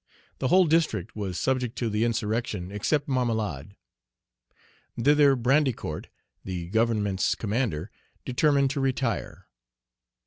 The whole district was subject to the insurrection, except Marmelade. Thither Brandicourt, the government's commander, determined to retire.